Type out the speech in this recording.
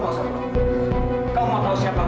astagfirullahaladzi wal sutra